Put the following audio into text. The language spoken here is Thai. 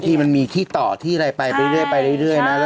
เพราะบางทีมันมีที่ต่อที่อะไรไปไปเรื่อยนะ